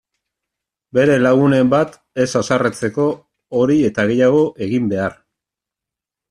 Bere lagunen bat ez haserretzeko hori eta gehiago egin behar!